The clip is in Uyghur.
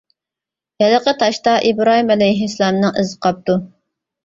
ھېلىقى تاشتا ئىبراھىم ئەلەيھىسسالامنىڭ ئىزى قاپتۇ.